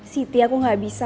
siti aku gak bisa